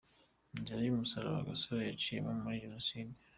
Inzira y’umusaraba Gasore yaciyemo muri Jenoside.